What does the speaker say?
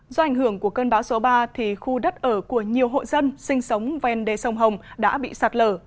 do ảnh hưởng của cơn bão số ba thì khu đất ở của nhiều hộ dân sinh sống ven đê sông hồng đã bị sạt lở